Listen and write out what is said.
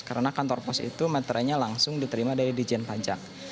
mereka bisa langsung diterima dari dirjen pajak